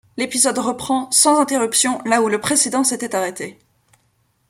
L'épisode reprend sans interruption là où le précédent s'était arrêté.